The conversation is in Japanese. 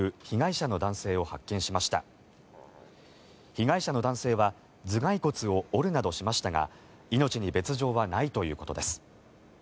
被害者の男性は頭がい骨を折るなどしましたが命に別条はないということです。